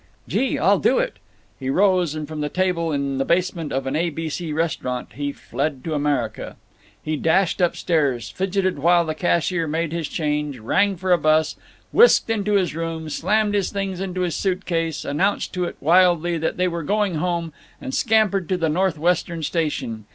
"Gee! I'll do it!" He rose and, from that table in the basement of an A. B. C. restaurant, he fled to America. He dashed up stairs, fidgeted while the cashier made his change, rang for a bus, whisked into his room, slammed his things into his suit case, announced to it wildly that they were going home, and scampered to the Northwestem Station.